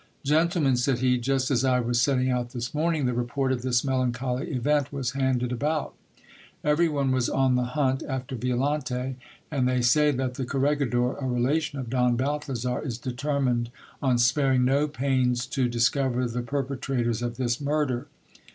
Gentlemen, said he, just as I was setting out this morning, the report of this melancholy event was handed about Even one was on the hunt after Violante ; and they say that the cor regidor, a relation of Don Balthazar, is determined on sparing no pains to dis cover the perpetrators of this murder.